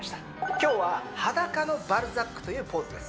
今日は裸のバルザックというポーズです